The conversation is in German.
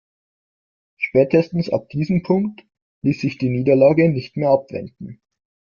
Spätestens ab diesem Punkt ließ sich die Niederlage nicht mehr abwenden.